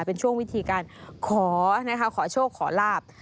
เป็นช่วงวิธีการขอนะคะขอโชคขอลาบ